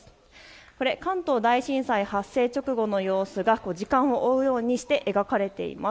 これ関東大震災発生直後の様子が時間を追うようにして描かれています。